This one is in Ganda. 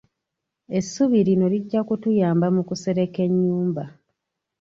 Essubi lino lijja kutuyamba mu kusereka ennyumba.